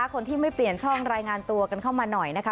คนที่ไม่เปลี่ยนช่องรายงานตัวกันเข้ามาหน่อยนะคะ